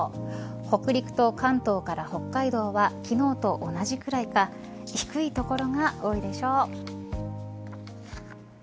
北陸と関東から北海道は昨日と同じくらいか低い所が多いでしょう。